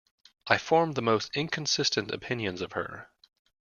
I formed the most inconsistent opinions of her.